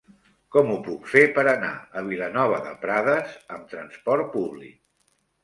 Com ho puc fer per anar a Vilanova de Prades amb trasport públic?